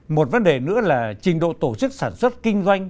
một vấn đề nữa là trình độ tổ chức sản xuất kinh doanh